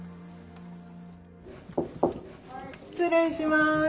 失礼します。